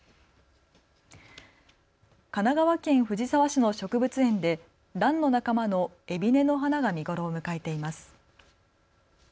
神奈川県藤沢市の植物園でらんの仲間のエビネの花が見頃を迎えています。